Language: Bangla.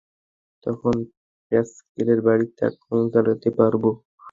তখন প্যাসকেলের বাড়িতে আক্রমণ চালাতে পারব।